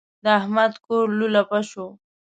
د احمد کور لولپه شو.